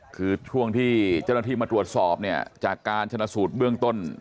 คือช่วงที่เจ้าหน้าที่มาตรวจสอบเนี่ยจากการชนะสูตรเบื้องต้น